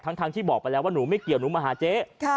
ทั้งที่บอกไปแล้วว่าหนูไม่เกี่ยวหนูมาหาเจ๊